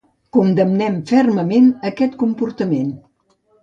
Condemnem fermament aquest comportament.